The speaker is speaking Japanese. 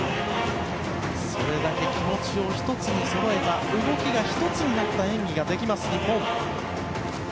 それだけ気持ちを１つにそろえた動きが１つになった演技ができます、日本。